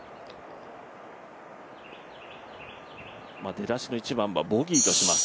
出だしの１番はボギーとします。